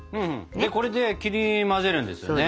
でこれで切り混ぜるんですよね？